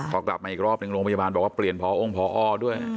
พอกลับมาอีกรอบหนึ่งโรงพยาบาลบอกว่าเปลี่ยนพอองค์พอด้วย